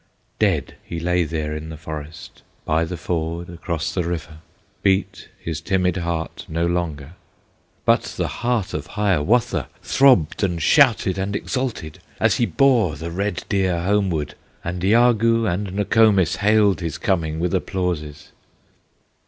Dead he lay there in the forest, By the ford across the river; Beat his timid heart no longer, But the heart of Hiawatha Throbbed and shouted and exulted, As he bore the red deer homeward, And Iagoo and Nokomis Hailed his coming with applauses.